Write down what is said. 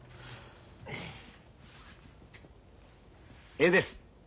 ええです。